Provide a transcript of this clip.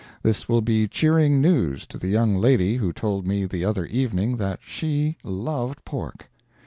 This will be cheering news to the young lady who told me the other evening that she "loved pork."